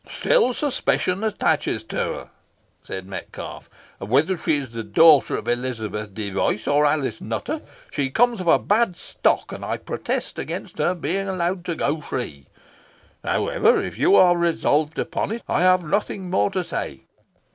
"Still suspicion attaches to her," said Metcalfe; "whether she be the daughter of Elizabeth Device or Alice Nutter, she comes of a bad stock, and I protest against her being allowed to go free. However, if you are resolved upon it, I have nothing more to say.